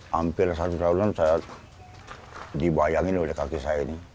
hampir satu tahunan saya dibayangin oleh kaki saya ini